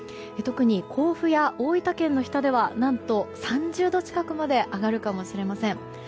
特に甲府や大分県の日田では何と３０度近くまで上がるかもしれません。